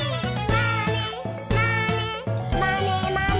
「まねまねまねまね」